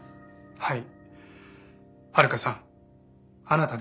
はい。